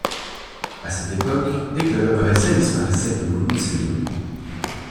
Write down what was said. À cette époque, des clubs apparaissent et disparaissent au bout d'une saison.